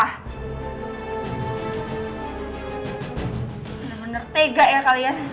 udah menertega ya kalian